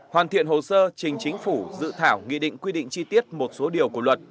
hoàn thiện hồ sơ trình chính phủ dự thảo nghị định quy định chi tiết một số điều của luật